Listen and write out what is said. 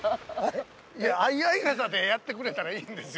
いや、相合傘でやってくれたらいいんですよ。